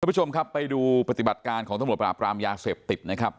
สำหรับผู้ชมครับไปดูปฏิบัติการของต้นหมดปรากรามยาเสพติบนะครับ